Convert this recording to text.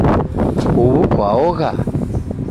Uw'u kwaogha?